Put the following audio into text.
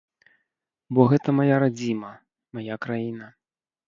Бо гэта мая радзіма, мая краіна.